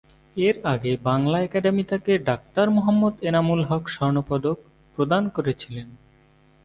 এর আগে বাংলা একাডেমী তাকে "ডাক্তার মোহাম্মদ এনামুল হক স্বর্ণ পদক" প্রদান করেছিলেন।